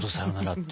って。